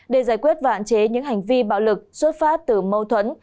để giải quyết và hạn chế những hành vi bạo lực xuất phát từ mâu thuẫn